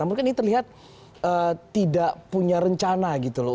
namun kan ini terlihat tidak punya rencana gitu loh